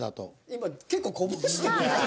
今結構こぼしてるな。